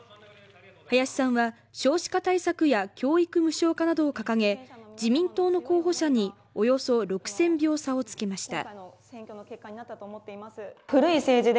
林さんは少子化対策や教育無償化などを掲げ、自民党の候補者におよそ６０００票差をつけました。